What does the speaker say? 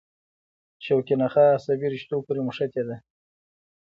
شوکي نخاع عصبي رشتو پورې نښتې ده.